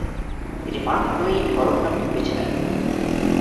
তিনি "Mark Twain" কলম নামটি বেঁছে নেন।